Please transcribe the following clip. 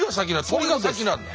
鳥が先なんだ？